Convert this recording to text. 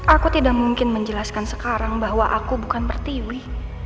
aku tidak mungkin menjelaskan sekarang bahwa aku bukan pertiwi